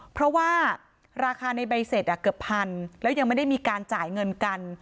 เพราะว่าราคาในใบเสร็จเกือบพันแล้วยังไม่ได้มีการจ่ายเงินกัน